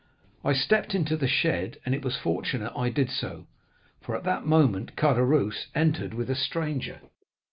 I stepped into the shed, and it was fortunate I did so, for at that moment Caderousse entered with a stranger.